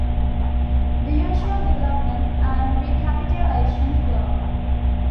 The usual development and recapitulation follow.